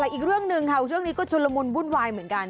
แต่อีกเรื่องหนึ่งค่ะเรื่องนี้ก็ชุนละมุนวุ่นวายเหมือนกัน